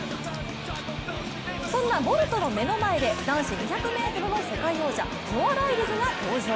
そんなボルトの目の前で男子２００ｍの世界王者、ノア・ライルズが登場。